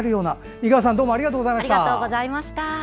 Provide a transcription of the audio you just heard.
井川さん、どうもありがとうございました。